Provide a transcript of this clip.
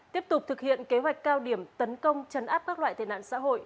tiếp tục thực hiện kế hoạch cao điểm tấn công chấn áp các loại tệ nạn xã hội